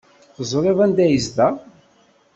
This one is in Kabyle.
Teẓriḍ anda yezdeɣ?